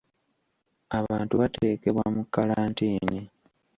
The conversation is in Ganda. Abantu bateekebwa mu kkalantiini.